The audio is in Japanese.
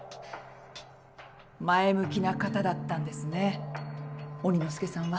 前向きな方だったんですね鬼ノ助さんは。